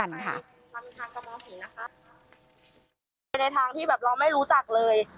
เป็นในทางที่เราไม่รู้จักเลย